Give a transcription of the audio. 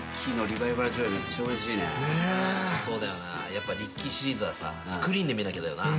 やっぱ『リッキー』シリーズはさスクリーンで見なきゃだよな。